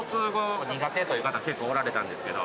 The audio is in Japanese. という方結構おられたんですけど。